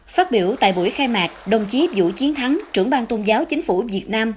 phát biểu tại buổi khai mạc đồng chí vũ chiến thắng trưởng bang tôn giáo chính phủ việt nam